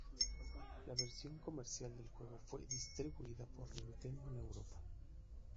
La versión comercial del juego fue distribuida por Nintendo en Europa.